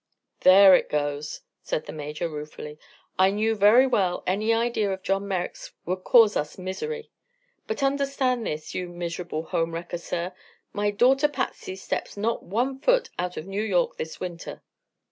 "There it goes!" said the Major ruefully. "I knew very well any idea of John Merrick's would cause us misery. But understand this, you miserable home wrecker, sir, my daughter Patsy steps not one foot out of New York this winter."